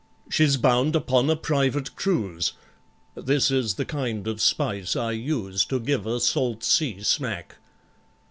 She's bound upon a private cruise— (This is the kind of spice I use To give a salt sea smack).